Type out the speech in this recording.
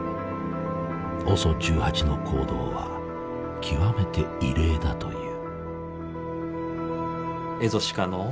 ＯＳＯ１８の行動は極めて異例だという。